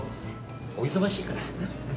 お忙しいから。